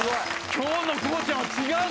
今日のこうちゃんは違うぞ。